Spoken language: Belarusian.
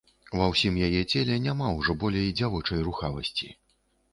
Ва ўсім яе целе няма ўжо болей дзявочай рухавасці.